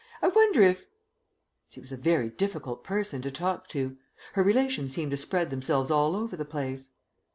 I wonder if " She was a very difficult person to talk to. Her relations seemed to spread themselves all over the place.